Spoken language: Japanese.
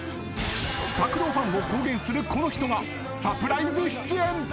拓郎ファンを公言する、この人がサプライズ出演。